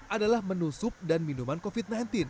adalah menu sup dan minuman covid sembilan belas